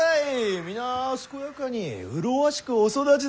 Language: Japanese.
皆健やかに麗しくお育ちだて。